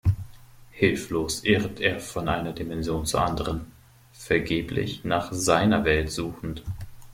Hilflos irrt er von einer Dimension zur anderen, vergeblich nach seiner Welt suchend.